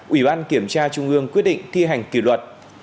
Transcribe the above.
ủy ban kiểm tra trung ương quyết định thi hành kỷ luật